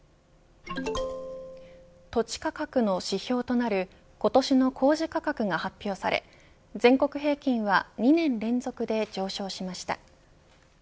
土地価格の指標となる今年の公示価格が発表され全国平均は２年連続で上昇しました。